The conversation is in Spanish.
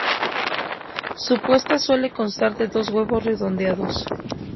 Su puesta suele constar de dos huevos redondeados.